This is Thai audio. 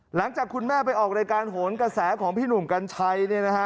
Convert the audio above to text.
หลังจากคุณแม่ไปออกรายการโหนกระแสของพี่หนุ่มกัญชัยเนี่ยนะฮะ